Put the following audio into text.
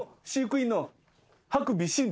ハクビシン？